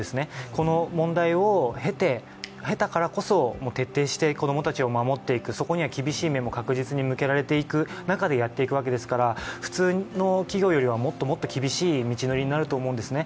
この問題を経たからこそ、徹底して子供たちを守っていく、そこには厳しい目も確実に向けられていく中でやっていくわけですから普通の企業よりはもっともっと厳しい道のりになると思うんですね。